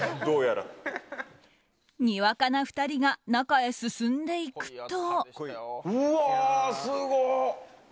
にわかな２人が中へ進んでいくと。